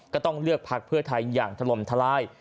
ก็ต้องเลือกพักเพื่อไทยอย่างถล่มทลาย